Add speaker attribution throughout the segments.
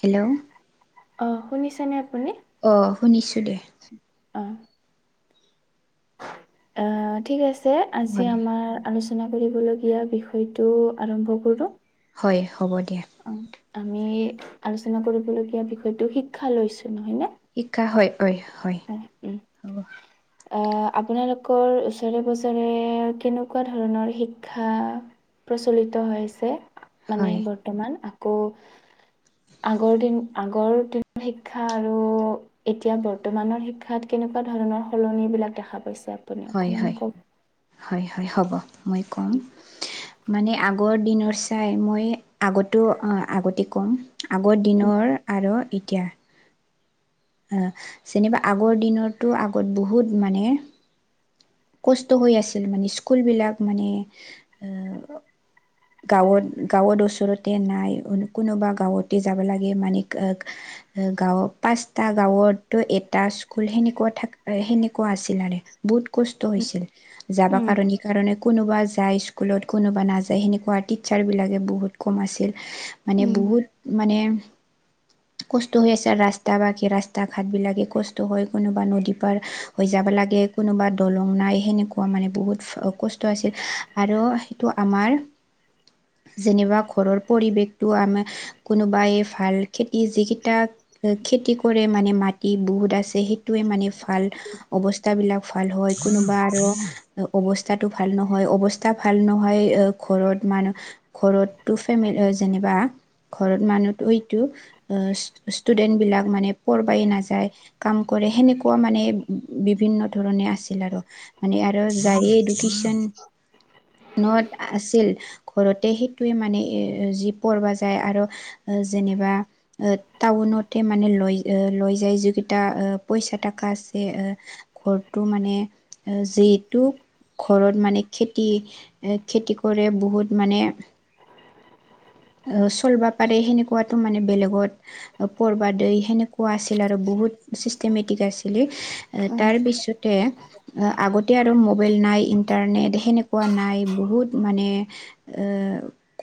Speaker 1: Hello
Speaker 2: অ শুনিছে নে আ?
Speaker 1: অ শুনিছো দে।
Speaker 2: অহ অ ঠিক আছে আজি
Speaker 1: হয়
Speaker 2: আমাৰ আলোচনা কৰিবলগীয়া বিষয়টো আৰম্ভ কৰো।
Speaker 1: হয় হ'ব দিয়া
Speaker 2: অ আমি আলোচনা কৰিবলগীয়া বিষয়টো শিক্ষা লৈছো নহয় নে।
Speaker 1: শিক্ষা হয় হয় হয় হ'ব।
Speaker 2: অহ আপোনালোকৰ ওচৰে পাজৰে কেনেকোৱা ধৰণৰ শিক্ষা প্ৰচলিত হৈছে মানে
Speaker 1: হয়
Speaker 2: বৰ্তমান আকৌ আগৰ দিন আগৰ দিনৰ শিক্ষা আৰু এতিয়া বৰ্ত বৰ্তমানৰ শিক্ষাত কেনেকোৱা ধৰণৰ সলনি বিলাক দেখা পাইছে আপুনি
Speaker 1: হয়
Speaker 2: অকমান
Speaker 1: হয়
Speaker 2: কওক।
Speaker 1: হয় হয় হ'ব মই ক'ম। মানে আগৰ দিনৰ চাই মই আগতো আগতে ক'ম আগৰ দিনৰ আৰু এতিয়া যেনিবা আগৰ দিনতো আগত বহুত মানে কষ্ট হৈ আছিল মানে স্কুলবিলাক মানে গাঁৱত- গাঁৱত ওচৰতে নাই কোনোবা গাঁৱতে যাব লাগে মানে গাঁৱত পাঁচটা গাঁৱতো এটা স্কুল সেনেকুৱা থাক সেনেকা কোৱা আছিল বহুত কষ্ট হৈছিল যাবা
Speaker 2: উম।
Speaker 1: কাৰণে - কাৰণে কোনোবা যায় স্কুলত কোনোবা নাযায় সেনেকুৱা টিচাৰবিলাকে বহুত কম আছিল। মানে বহুত মানে কষ্ট হৈ আছে ৰাস্তা বাকে ৰাস্তা ঘাট বিলাকে কষ্ট হৈ কোনোবা নদী পাৰ হৈ যাবা লাগে। লাগে কোনোবা দলং নাই সেনেকুৱা মানে বহুত কষ্ট আছিল আৰু সেইটো আমাৰ যেনিবা ঘৰৰ পৰিৱেশটো আমাৰ কোনোবাই ভাল খেতি যিকেইটা খেতি কৰে মানে মাটি বহুত আছে সেইটোৱে মানে ভাল অৱস্থা বিলাক ভাল হয় কোনোবা আৰু অৱস্থাটো ভাল নহয় অৱস্থা ভাল নহয় ঘৰত মানহ ঘৰততো ফেম যেনিবা ঘৰত মানুহতোই ষ্টুডেন্ট বিলাক মানে পঢ়বাই নাযায় কাম কৰে সেনেকোৱা মানে বিভিন্ন ধৰণে আছিল আৰু মানে আৰু যাৰ এ এডুকেশচন নত আছিল ঘৰতে সেইটোৱে মানে এ যি পৰব যায় আৰু য যেনেবা টাউনতে মানে ল লয় যায় যিকিটা পইচা টাকা আছে এ ঘৰটো মানে যিহেতু ঘৰত মানে খেতি এ খেতি কৰে বহুত মানে অহ চলবা পাৰে সেনেকুৱাতো মানে বেলেগত পৰবা দেই সেনেকুৱা আছিল আৰু বহুত ছিষ্টেমেটিক আছিলে তাৰপিছতে আগতে আৰু মোবাইল নাই ইণ্টাৰনেট সেনেকুৱা নাই বহুত মানে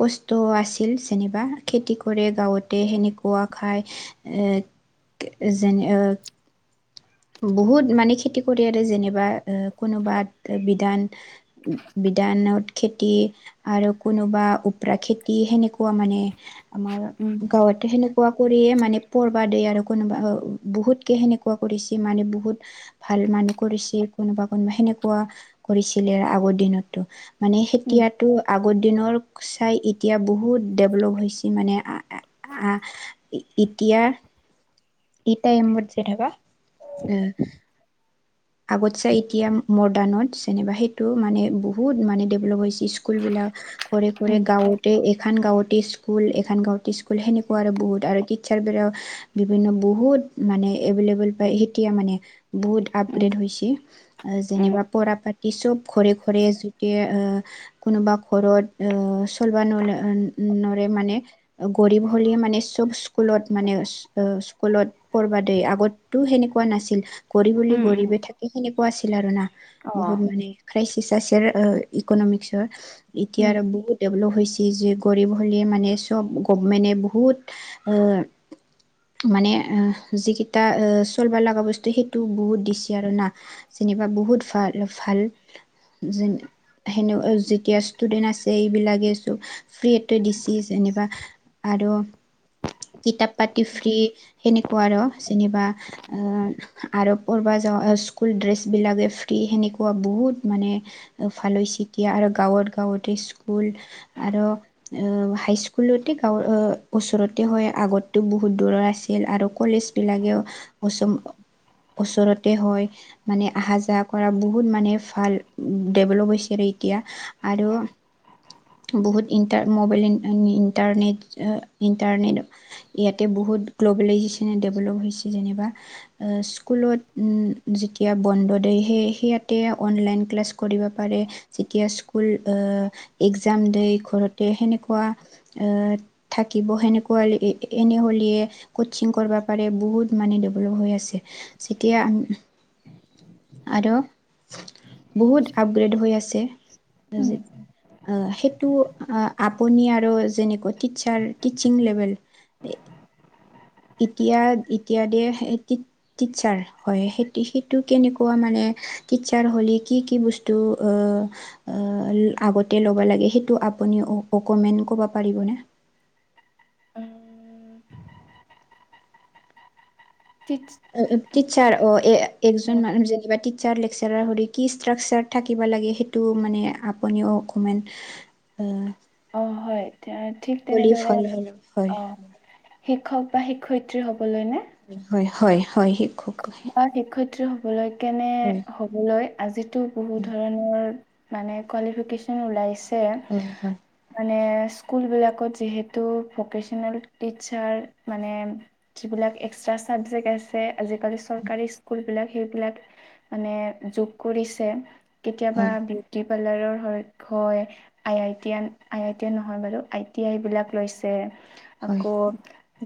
Speaker 1: কষ্ট আছে। ইল যেনিবা খেতি কৰে গাঁৱতে সেনেকুৱা খাই এ যেনে বহুত মানে খেতি কৰি আৰু যেনিবা এ কোনোবাত বিধান দানত খেতি আৰু কোনোবা ওপৰা খেতি সেনেকুৱা মানে আমাৰ গাঁৱতে সেনেকুৱাকো য়ে মানে পৰবা দেই আৰু কোনোবা বহুতকে সেনেকুৱা কৰিছে। মানে বহুত ভাল মানুহ কৰিছিল কোনোবা- কোনোবা সেনেকুৱা কৰিছিলে আগৰ দিনতো। মানে খেতিয়াতো আগৰ দিনৰ চাই এতিয়া বহুত ডেভলপ হৈছে মানে [unintelligible] ইতিয়া এই টাইমত যে থাবা এ। আগত চাই এতিয়া মডাৰ্ণত যেনিবা সেইটো মানে বহুত মানে ডেভলপ হৈছে। স্কুল বিলাক ঘৰে -ঘৰে গাঁৱতে এখান গাঁৱত স্কুল এখন গাঁৱটী স্কুল সেনেকুৱা আৰু বহুত আৰু টিচাৰ বিলাক বিভিন্ন বহুত মানে এবেলেৱল পাই এতিয়া মানে বহুত আপগ্ৰেট হৈছে জেনেবা পঢ়া পাতি চব ঘৰে - ঘৰে যোগে কোনবা ঘৰত অহ চলবা নৰে নৰে মানে গৰীব হলে মানে চব স্কুলত মানে [unintelligible] কোলত পঢ়বা দেই আগততো সেনেকুৱা নাছিল গৰীব বুলি গৰীবে থাকে সেনেকুৱা আছিল আৰু না। বহুত মানে ক্ৰাইচিচ আছে ইকনমিকসৰ এতিয়া আৰু বহুত ডেভলপ হৈছে। জিজি গৰীব হলি মানে চব গভমেনে বহুত অহ মানে যিকেইটা চলবা লাগা বস্তু সেইটো বহুত দিছে আৰু না যেনিবা বহুত ভাল- ভাল যে সেনে যেতিয়া ষ্টুডেন্ট আছে এইবিলাকে চব ফ্ৰীতে ডিচি যেনিবা আৰু কিতাপ পাতি ফ্ৰী। সেনেকুৱা আৰু যেনিবা অহ আৰু পঢ়বা যাৱা স্কুল ড্ৰেছ বিলাগে ফ্ৰী সেনেকুৱা বহুত মানে ভাল হৈছি ইতিয়া আৰু গাঁৱত- গাঁৱতে স্কুল আৰু হাইস্কুলতে গাঁৱৰ ওচৰতে হয় আগততো বহুত দূৰৰ আছ ছিল আৰু কলেজবিলাগেও [unintelligible] ওচৰতে হয় মানে অহা যোৱা কৰা বহুত মানে ভাল ডেভলপ হৈছে আৰু। তিয়া আৰু। বহুত ইণ্টাৰ মোবাইল ইণ্টাৰনেট ইণ্টাৰনেট ইয়াতে বহুত- গ্লব্লেলাইজেছন ডেভলপ হৈছে যেনেবা। এ' স্কুলত উম জেতিয়া বন্ধ দিয়ে সেইয়াতে অনলাইন ক্লাছ- কৰিব পাৰে। যেতিয়া স্কুল এক্জাম দি ঘৰতে সেনে- কোৱা এ' থাকিব সেনেকুৱা এনেই হ'লেও - কচিং কৰিব পাৰে বহুত মানে ডেভলপ হৈ আছে। যেতিয়া- আৰু বহুত আপগ্ৰেড হৈ আছে। সেইটো আপুনি আৰু যেনেকুৱা টিচাৰ টিচিং লেভেল-
Speaker 2: [inaudible]
Speaker 1: এতিয়া -এতিয়া দে ৰ্টিচাৰ হয় সেইটো -সেইটো কেনেকুৱা মানে ৰ্টিচাৰ হ'লে কি -কি বছটো অহ - অহ আগতে ল'ব লাগে সেইটো আপোনি অকমেন কব পাৰিব নে?
Speaker 2: [inaudible]
Speaker 1: ৰ্টিচাৰ অ এজন [unintelligible] লেকছাৰ হৈতে কি ষ্ট্ৰিচাতাৰচাৰ থাকিব লাগে সেইটো মানে আপুনিও অকণমান - উম'।
Speaker 2: অঁ হয়। ঠিক তেনেদৰে
Speaker 1: ফল হয় হয়
Speaker 2: অঁ শিক্ষক- বা শিক্ষয়িত্ৰী হ'বলৈ নে?
Speaker 1: হয় হয়। শিক্ষক
Speaker 2: বা শিক্ষয়িত্ৰী হবলৈ কেনে
Speaker 1: হয়
Speaker 2: হবলৈ আজিতো বহুত ধৰণৰ- মানে কোৱালি ফিকেশ্যন ওলাইছে
Speaker 1: হয় হয়
Speaker 2: মানে- স্কুল বিলাকত যিহেতু প্ৰফেচনেল টিচাৰ মানে যিবিলাক- এটা চাবজেক্ট আছে। আজিকালি- চৰকাৰী স্কুল বিলাক সেইবিলাক মানে যোগ কৰিছে। কেতিয়াবা
Speaker 1: হয়
Speaker 2: [unintelligible] পালাৰৰ হয়। I T I I T নহয় বাৰু আই টি আই বিলাক লৈছে।
Speaker 1: হয়
Speaker 2: আকৌ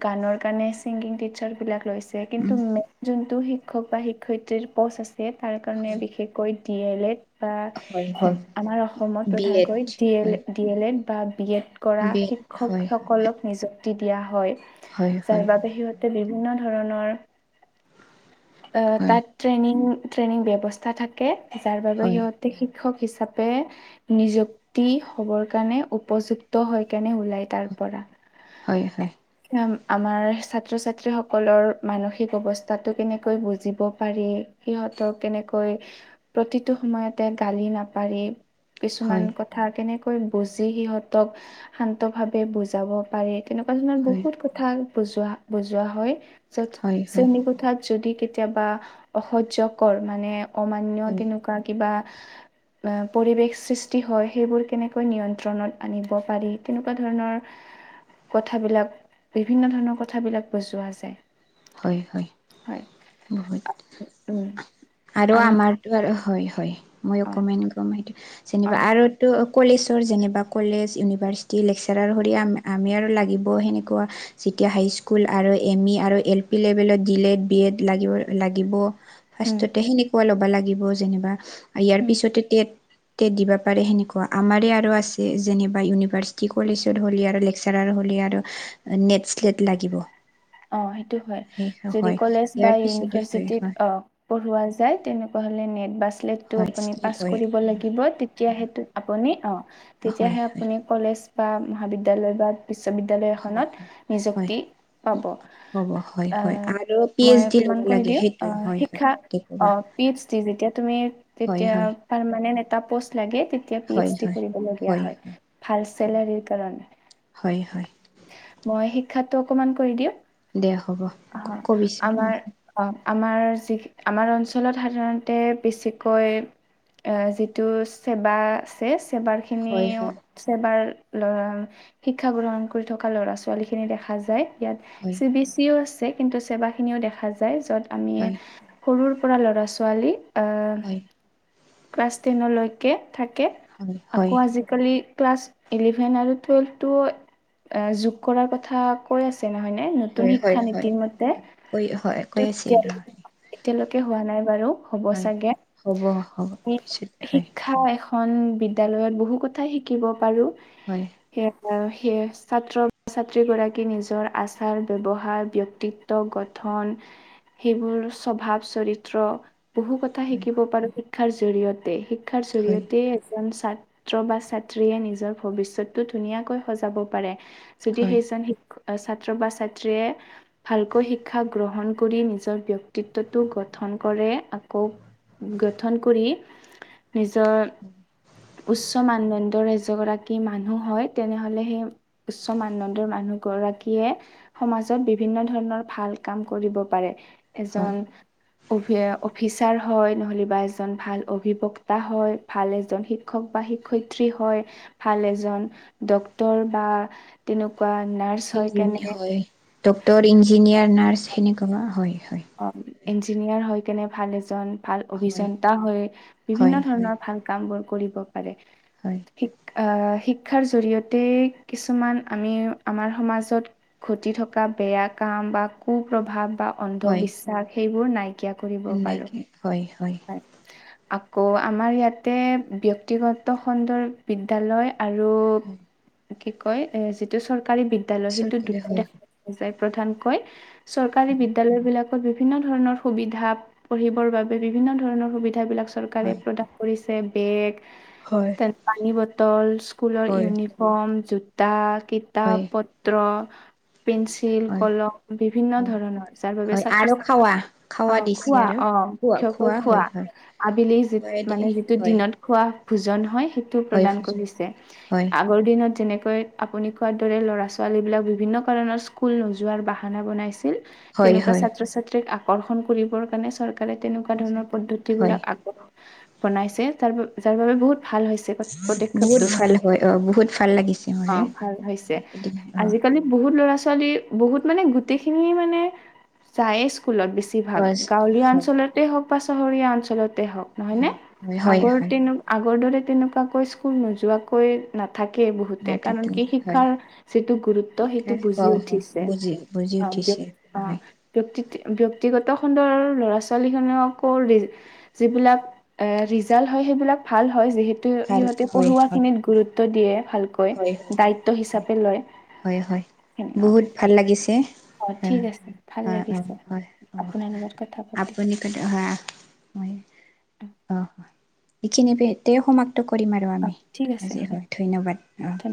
Speaker 2: গানৰ কাৰণে চিংগিং টিচাৰ বিলাক লৈছে। কিন্তু
Speaker 1: উম
Speaker 2: - যিটো শিক্ষক বা শিক্ষয়িত্ৰীৰ পচ আছে তাৰ কাৰণে
Speaker 1: হয়
Speaker 2: বিশেষকৈ ডি এল এড- বা
Speaker 1: হয় হয়
Speaker 2: আমাৰ অসমত
Speaker 1: বি এড
Speaker 2: প্ৰধানকৈ ডি এল
Speaker 1: হয়
Speaker 2: এ ডি এল এড বা বি এড- কৰা
Speaker 1: বি এড
Speaker 2: শিক্ষক
Speaker 1: হয় হয়
Speaker 2: সকলক নিযুক্তি দিয়া হয়।
Speaker 1: হয় হয়
Speaker 2: যাৰ বাবে সিহঁতে- বিভিন্ন ধৰণৰ- অ
Speaker 1: হয়
Speaker 2: তা'ত ট্ৰেইনিং ট্ৰেইনিং ব্যৱস্থা থাকে যাৰ বাবে
Speaker 1: হয়
Speaker 2: সিহঁতে- শিক্ষক হিচাপে নিযুক্তি হবৰ কাৰণে উপযুক্ত হৈ কিনে ওলাই- তাৰপৰা
Speaker 1: হয় হয়
Speaker 2: আমাৰ ছাত্ৰ-ছাত্ৰীসকলৰ মানসিক অৱস্থা- তা'তো কেনেকৈ বুজিব পাৰি সিহঁতক কেনেকৈ প্ৰতিটো সময়তে গালি- নাপাৰি। কিছুমান
Speaker 1: হয়
Speaker 2: কথা কেনেকৈ বুজি সিহঁতক শান্ত ভাৱে বুজাব পাৰি। তেনেকুৱা ধৰণৰ
Speaker 1: হয়
Speaker 2: বহুত কথা বুজোৱা বুজোৱা হয়
Speaker 1: হয়
Speaker 2: য'ত
Speaker 1: হয়
Speaker 2: শ্ৰেণী- যদি কেতিয়াবা অসহ্যকৰ মানে অমান্য
Speaker 1: হয়
Speaker 2: তেনেকুৱা কিবা- পৰিৱেশ সৃষ্টি হয় সেইবোৰ কেনেকৈ নিয়ন্ত্ৰণত আনিব পাৰি তেনেকুৱা ধৰণৰ- কথাবিলাক বিভিন্ন ধৰণৰ কথাবিলাক বজোৱা যায়।
Speaker 1: হয় হয়।
Speaker 2: হয়
Speaker 1: বহুত
Speaker 2: উম
Speaker 1: আৰু
Speaker 2: আমি
Speaker 1: আমাৰতো আৰু হয় হয়। মই
Speaker 2: অ
Speaker 1: অকণমান গম
Speaker 2: অ
Speaker 1: যেনিবা আৰু তো কলেজৰ যেনেবা কলেজ - ইওভাৰ্চিটি লেকচাৰ কৰি আমি আৰু লাগিবও সেনেকুৱা যেতিয়া হাই স্কুল আৰু এম ই আৰু - এলিভেণ্ট দিলে বি এড লাগিব ফাৰষ্ট্ৰ ত'তে
Speaker 2: উম
Speaker 1: সেনেকুৱা ল'ব লাগিব। যেনিবা ইয়াৰ পিছতে তেত তেত দিব পাৰে সেনেকুৱা আমাৰে আৰু আছে যেনিবা ইউনিভাৰ্চিটি কলেজৰ হ'লে আৰু লেকচাৰৰ হ'লে আৰু নেট চেলেট লাগিব।
Speaker 2: অ সেইটো হয়
Speaker 1: সেই
Speaker 2: যদি
Speaker 1: হয়
Speaker 2: কলেজ বা
Speaker 1: ইয়াৰ পিছতে হয়
Speaker 2: ইউনিভাৰ্চিটিত
Speaker 1: হয়
Speaker 2: অ পঢ়োৱা যায় তেনেকুৱা হলে নেট বা টেতটো আপুনি
Speaker 1: হয়
Speaker 2: পাছ
Speaker 1: হয়
Speaker 2: কৰিব লাগিব তেতিয়া সেইটো আপুনি অ।
Speaker 1: হয়
Speaker 2: তেতিয়াহে
Speaker 1: হয়
Speaker 2: আপুনি কলেজ বা মহাবিদ্যালয় বা। বিশ্ববিদ্যালয়
Speaker 1: হয়
Speaker 2: এখনত
Speaker 1: হয় হয়
Speaker 2: নিযুক্তি। পাব
Speaker 1: হ'ব হয়
Speaker 2: অ
Speaker 1: হয় আৰু পি
Speaker 2: মই
Speaker 1: এইচ ডি
Speaker 2: অকমান
Speaker 1: ল'ব
Speaker 2: কয়
Speaker 1: লাগে
Speaker 2: দিওঁ অ
Speaker 1: সেইটোৱে হয় হয়
Speaker 2: শিক্ষা
Speaker 1: তেনেকুৱা
Speaker 2: পি। ইষ্টি যেতিয়া তুমি
Speaker 1: হয়
Speaker 2: তেতিয়া
Speaker 1: হয়
Speaker 2: পাৰ্মানেণ্ট এটা পষ্ট লাগে। তেতিয়া পি এইচ ডি কৰিবলগীয়া হয় ভাল চেলাৰী কাৰণে।
Speaker 1: হয় হয়
Speaker 2: মই শিক্ষাটো অকমান কৰি দিওঁ।
Speaker 1: দে হ'ব
Speaker 2: হ
Speaker 1: কবিচোন
Speaker 2: আমাৰ
Speaker 1: হয়
Speaker 2: অ। আমাৰ যি আমাৰ অঞ্চলত সাধাৰণতে বেছিকৈ। এ যিটো চেবা আছে চেবাৰ
Speaker 1: হয়
Speaker 2: খিনিও
Speaker 1: হয়
Speaker 2: চেবাৰ। লৰা শিক্ষা গ্ৰহণ কৰি থকা ল'ৰা ছোৱালী খিনি দেখা যায় ইয়াত
Speaker 1: হয়
Speaker 2: চি বি ছি। তোৰ আছে কিন্তু চেবা খিনিও দেখা যায় য'ত আমি সৰুৰ পৰা ল'ৰা ছোৱালী আহ
Speaker 1: হয়।
Speaker 2: ক্লাছ টেনলৈকে থাকে
Speaker 1: হয়
Speaker 2: আকৌ আজিকালি ক্লাছ। ইলিভেন আৰু টুৱেল্ভটো যোগ কৰাৰ কথা কৈ আছে নহয় নে। নতুন
Speaker 1: হয় হয়
Speaker 2: শিক্ষা
Speaker 1: হয়
Speaker 2: নীতিৰ মতে [inaudible]
Speaker 1: কৈ হয় কৈ আছিল ৰ হয়
Speaker 2: এতিয়ালৈকে হোৱা নাই বাৰু হ'ব
Speaker 1: হয়
Speaker 2: চাগে
Speaker 1: হ'ব হ'ব পিছত
Speaker 2: [inaudible]
Speaker 1: হয়
Speaker 2: শিক্ষা এখ। খন বিদ্যালয়ত বহু কথাই শিকিব পাৰো।
Speaker 1: হয়।
Speaker 2: আৰু সেইয়ে ছাত্ৰ বা ছাত্ৰী গৰাকী নিজৰ আচাৰ। ব্যৱহাৰ ব্যক্তিত্ব গঠন সেইবোৰ স্বভাৱ চৰিত্ৰ। বহু কথা
Speaker 1: হয়
Speaker 2: শিকিব পাৰো শিক্ষাৰ জৰিয়তে শিক্ষাৰ
Speaker 1: হয়
Speaker 2: জৰিয়তে এজন। ছাত্ৰ বা ছাত্ৰীয়ে নিজৰ ভৱিষ্যতটো ধুনীয়াকৈ সজাব পাৰে। যদি
Speaker 1: হয়
Speaker 2: সেইজন শিক ছাত্ৰ বা ছা। ত্ৰিয়ে ভালকৈ শিক্ষা গ্ৰহণ কৰি নিজৰ ব্যক্তিত্বটো গঠন কৰে আকৌ। গঠন কৰি নিজৰ উচ্চ মানদণ্ড। ৰাজ গৰাকী মানুহ হয় তেনেহলে সেই উচ্চ মানদণ্ড মানুহ গৰাকীয়ে। সমাজত বিভিন্ন ধৰণৰ ভাল কাম কৰিব পাৰে
Speaker 1: হয়
Speaker 2: এজন। অভি অফিচাৰ হয় নহ'লে বা এজন ভাল অভিবক্তা হয় ভাল এজন শিক্ষক বা। শিক্ষয়ত্ৰী হয়, ভাল এজন ডক্তৰ বা তেনে। কুৱা নাৰ্চ হয় কেনে।
Speaker 1: ডক্টৰ ইঞ্জিনিয়াৰ নাৰ্চ সেনেকুৱা হয়। হয়
Speaker 2: অ ইঞ্জিনিয়াৰ হৈ কেনে ভাল এজন। ভাল
Speaker 1: হয়
Speaker 2: অভিযন্তা হৈ
Speaker 1: হয়
Speaker 2: বিভিন্ন
Speaker 1: হয়
Speaker 2: ধৰণৰ ভাল কাম বোৰ কৰিব। পাৰে
Speaker 1: হয়
Speaker 2: আ। শিক্ষাৰ জৰিয়তে কিছুমান আমি আমাৰ সমাজত ঘটি থকা বেয়া কা। কাম বা কু প্ৰভাৱ বা
Speaker 1: হয়
Speaker 2: অন্ধবিশ্বাস সেইবোৰ নাই।
Speaker 1: এনেকে হয় হয়।
Speaker 2: আকৌ আমাৰ ইয়াতে ব্যক্তিগত খণ্ডৰ বিদ্যালয়। আৰু
Speaker 1: হয়
Speaker 2: কি কয় যিটো চৰকাৰী বিদ্যালয় সেইটো
Speaker 1: চৰকাৰে
Speaker 2: দু্ৰটা
Speaker 1: হয়
Speaker 2: দেখা পোৱা যায়। প্ৰধান কৈ চৰকাৰী
Speaker 1: হয়
Speaker 2: বিদ্যালয় বিলাকত বিভিন্ন ধৰণৰ সুবিধা পঢ়িবৰ বাবে। বিভিন্ন ধৰণৰ সুবিধাবিলাক চৰকাৰে
Speaker 1: হয়
Speaker 2: প্ৰদান কৰিছে বেগ।
Speaker 1: হয়
Speaker 2: তেনে পানী বটল স্কুলৰ
Speaker 1: হয়
Speaker 2: ইউনিফৰ্ম জোতা।
Speaker 1: হয়
Speaker 2: কিতাপ পত্ৰ। পেঞ্চিল
Speaker 1: হয়
Speaker 2: কলম বিভিন্ন
Speaker 1: হয়
Speaker 2: ধৰণৰ যাৰ বাবে
Speaker 1: হয়
Speaker 2: ছাত্ৰ
Speaker 1: আৰু
Speaker 2: ছাত্ৰী
Speaker 1: খাৱা
Speaker 2: অ
Speaker 1: খাৱা দিছে
Speaker 2: খোৱা
Speaker 1: আৰু
Speaker 2: অ। অ
Speaker 1: খোৱা
Speaker 2: মূখ্যকৈ খোৱা
Speaker 1: হয় হয়
Speaker 2: আবেলি যি
Speaker 1: খোৱাই দেই
Speaker 2: মানে যিটো
Speaker 1: হয়
Speaker 2: দিনত খোৱা ভোজন হয়। সেতো
Speaker 1: হয়
Speaker 2: প্ৰদান কৰিছে
Speaker 1: হয়
Speaker 2: আগৰ দিনত যেনে। কৈ আপুনি কোৱাৰ দৰে ল'ৰা ছোৱালী বিলাক বিভিন্ন কাৰণৰ স্কুল নোযোৱাৰ বাহানা বনাইছিল।
Speaker 1: হয়
Speaker 2: তেনেকুৱা
Speaker 1: হয়
Speaker 2: ছাত্ৰ -ছাত্ৰীক আকৰ্ষণ কৰিবৰ কাৰণে চৰকাৰে তেনেকুৱা ধৰণৰ
Speaker 1: হয়
Speaker 2: পদ্ধতিবিলাক আগত বনাইছে, যাৰ যাৰ বাবে বহুত ভাল হৈছে পদ
Speaker 1: বহুত
Speaker 2: পদক্ষেপটোত,
Speaker 1: ভাল হয় অ বহুত ভাল লাগিছে
Speaker 2: অ
Speaker 1: মোৰে
Speaker 2: ভাল হৈছে
Speaker 1: এদিন অ
Speaker 2: আজি আজিকালি বহুত ল'ৰা -ছোৱালী বহুত মানে গোটেই খিনি মানে যায় চো স্কুলত বেছি
Speaker 1: অ
Speaker 2: ভাগ গাঁৱলীয়া
Speaker 1: হয়
Speaker 2: অঞ্চলতেই হওক বা চহৰীয়া অঞ্চলত তে হক নহয়নে?
Speaker 1: হয় হয়
Speaker 2: আগৰ
Speaker 1: হয়
Speaker 2: দিন আগৰ দৰে তেনেকুৱাকৈ স্কুল নোযোৱাকৈ না থাকেই বহুতে, কাৰণ
Speaker 1: নাটকে
Speaker 2: কি
Speaker 1: হয়
Speaker 2: শিক্ষাৰ যিটো গুৰুত্ব সেইটো
Speaker 1: অ
Speaker 2: বুজি উঠিছে
Speaker 1: বুজি বুজি
Speaker 2: অ। ব্য
Speaker 1: উঠিছে
Speaker 2: অ
Speaker 1: হয়
Speaker 2: ব্যক্তি ব্যক্তিগত খণ্ডৰ ল'ৰা - ছো [unintelligible] যিলাক াল হয় সেইবিলাক ভাল হয় [unintelligible]
Speaker 1: ভাল
Speaker 2: সিহঁতে
Speaker 1: হয়
Speaker 2: পঢ়োৱা
Speaker 1: হয়
Speaker 2: খিনিত গুৰুত্ব দিয়ে ভালকৈ
Speaker 1: হয় হয়
Speaker 2: দায়িত্ব
Speaker 1: হয়
Speaker 2: হিচাপে লয়
Speaker 1: হয় হয়
Speaker 2: হে অ
Speaker 1: বহুত ভাল লাগিছে
Speaker 2: অ
Speaker 1: হয়
Speaker 2: ঠিক আছে ভাল
Speaker 1: হয় অ
Speaker 2: লাগিছে
Speaker 1: হয় অ
Speaker 2: আপোনাৰ লগত কথা পাতিম
Speaker 1: আপুনি ক হয়
Speaker 2: [unintelligible]
Speaker 1: হয় অ, এইখিনি সমাপ্ত কৰিম আৰু আমি আজি হয় ধন্যবাদ। অ
Speaker 2: থেং